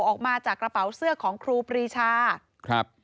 ออกมาจากกระเป๋าเสื้อของครูปรีชาครับ